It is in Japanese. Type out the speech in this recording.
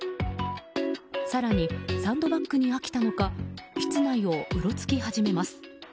更にサンドバッグに飽きたのか室内をうろつき始めます。